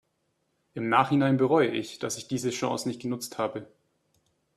Im Nachhinein bereue ich, dass ich diese Chance nicht genutzt habe.